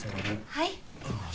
はい。